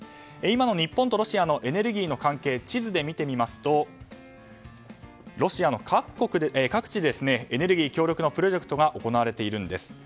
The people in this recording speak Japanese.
今の日本とロシアのエネルギー関係を地図で見てみますとロシアの各地でエネルギー協力のプロジェクトが行われているんです。